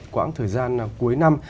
quảng thời gian cuối năm